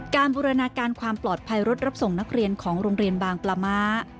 บูรณาการความปลอดภัยรถรับส่งนักเรียนของโรงเรียนบางปลาม้า